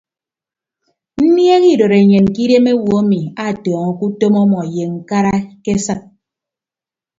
Nniehe idotenyen ke idem owo emi atọọñọke utom ọmọ ye ñkara ke esịt.